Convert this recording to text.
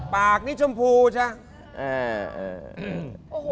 ปากนี่ชมพูใช่ไหม